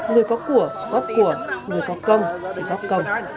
người có của góp của người có công người góp công